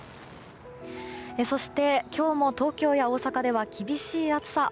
そして、今日も東京や大阪では厳しい暑さ。